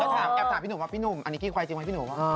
ถามพี่หนูว่าพี่หนูอันนี้กี้ไขวจริงไหม